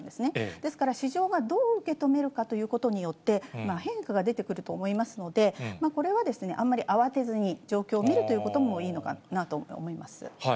ですから市場がどう受け止めるかということによって、変化が出てくると思いますので、これはあんまり慌てずに、状況を見るということもいいのかなと思います。